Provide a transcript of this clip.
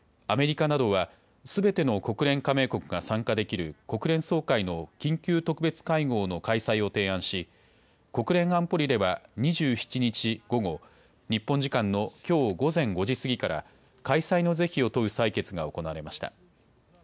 アメリカなどはすべての国連加盟国が参加できる国連総会の緊急特別会合の開催を提案し国連安保理では２７日午後、日本時間のきょう午前５時過ぎから開催の是非を問う採決が行われました。